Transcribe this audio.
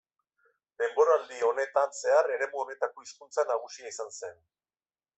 Denboraldi honetan zehar eremu honetako hizkuntza nagusia izan zen.